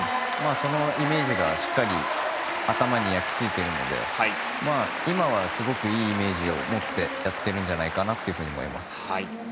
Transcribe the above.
そのイメージがしっかり頭に焼きついているので今はすごくいいイメージを持ってやってるんじゃないかと思います。